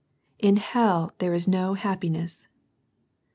In hell there is no happiness.